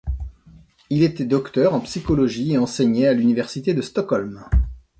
Il était docteur en psychologie et enseignait à l'université de Stockholm.